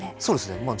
そうですね。